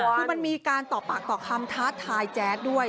คือมันมีการต่อปากต่อคำท้าทายแจ๊ดด้วย